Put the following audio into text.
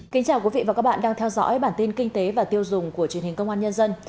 kính chào quý vị và các bạn đang theo dõi bản tin kinh tế và tiêu dùng của truyền hình công an nhân dân